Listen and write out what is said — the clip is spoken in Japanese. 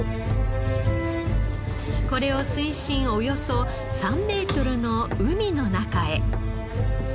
これを水深およそ３メートルの海の中へ。